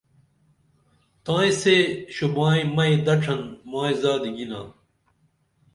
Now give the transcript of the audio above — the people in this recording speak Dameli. تائیں سے شوبائی مئی دڇھن مائی زادی گِنا